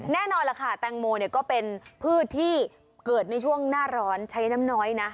แน่นอนล่ะค่ะแตงโมเนี่ยก็เป็นพืชที่เกิดในช่วงหน้าร้อนใช้น้ำน้อยนะ